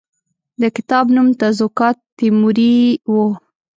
د کتاب نوم تزوکات تیموري وو.